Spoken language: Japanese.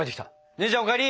姉ちゃんお帰り。